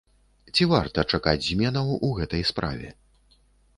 Ці варта чакаць зменаў у гэтай справе?